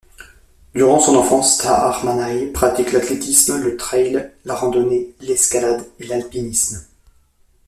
Durant son enfance, Tahar Manaï pratique l'athlétisme, le trail, la randonnée, l'escalade et l'alpinisme.